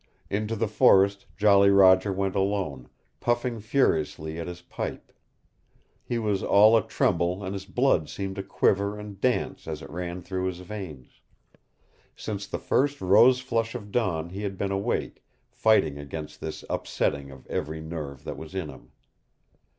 Into the forest Jolly Roger went alone, puffing furiously at his pipe. He was all a tremble and his blood seemed to quiver and dance as it ran through his veins. Since the first rose flush of dawn he had been awake, fighting against this upsetting of every nerve that was in him.